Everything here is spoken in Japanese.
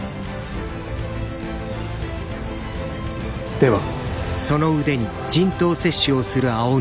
では。